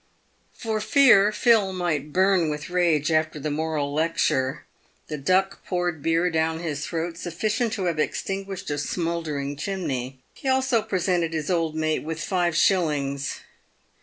For fear Phil might burn with rage after the moral lecture, the Duck poured beer down his throat sufficient to have extinguished a smouldering chimney. He also presented his old mate with five shillings.